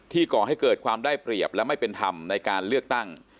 ก่อให้เกิดความได้เปรียบและไม่เป็นธรรมในการเลือกตั้ง